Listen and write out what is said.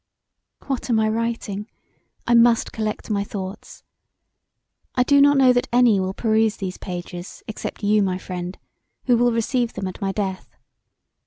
What am I writing? I must collect my thoughts. I do not know that any will peruse these pages except you, my friend, who will receive them at my death.